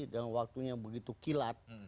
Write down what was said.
dalam waktunya begitu kilat